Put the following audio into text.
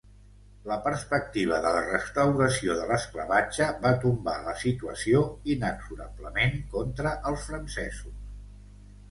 La perspectiva de la restauració de l'esclavatge va tombar la situació inexorablement contra els francesos.